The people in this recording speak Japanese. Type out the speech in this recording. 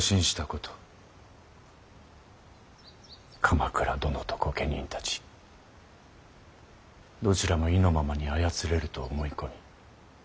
鎌倉殿と御家人たちどちらも意のままに操れると思い込み